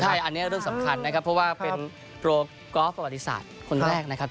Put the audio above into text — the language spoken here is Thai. ใช่อันนี้ก็เรื่องสำคัญนะครับเพราะว่าเป็นโก๊ฟอาบิษัทคนแรกนะครับ